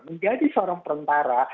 menjadi seorang perantara